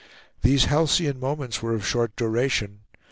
These halcyon moments were of short duration.